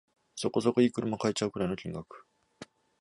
そこそこ良い車買えちゃうくらいの金額